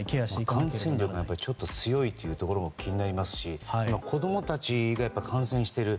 感染力が強いというところ気になりますし子供たちが感染している。